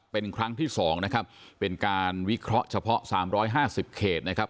เป็นครั้งที่๒นะครับเป็นการวิเคราะห์เฉพาะ๓๕๐เขตนะครับ